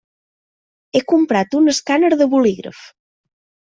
He comprat un escàner de bolígraf.